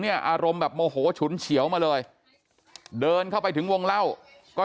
อารมณ์แบบโมโหฉุนเฉียวมาเลยเดินเข้าไปถึงวงเล่าก็